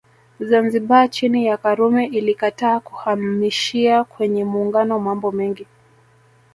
Zanzibar chini ya Karume ilikataa kuhamishia kwenye Muungano mambo mengi